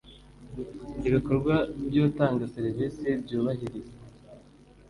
ibikorwa by utanga serivisi byubahiriza